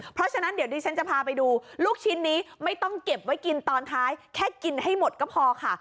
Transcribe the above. เพราะฉะนั้นเดี๋ยวดิฉันจะพาไปดูลูกชิ้นนี้ไม่ต้องเก็บไว้กินตอนท้ายแค่กินให้หมดก็พอค่ะ